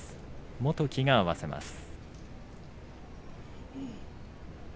元基が合わせます。